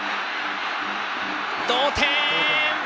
同点！